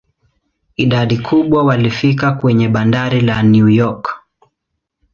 Idadi kubwa walifika kwenye bandari la New York.